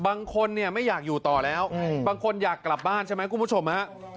บางคนเนี่ยไม่อยากอยู่ต่อแล้วบางคนอยากกลับบ้านใช่ไหมคุณผู้ชมฮะ